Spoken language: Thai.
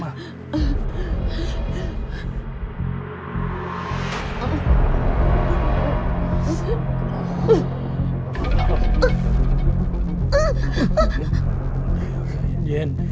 ออกแล้วทนหน่อย